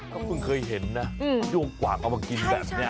ก็เพิ่งเคยเห็นนะด้วงกว่างเอามากินแบบนี้